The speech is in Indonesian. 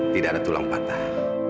tidak ada tulang patah